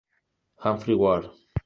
Humphry Ward.